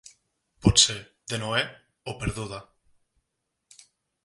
Pot ser de Noè o perduda.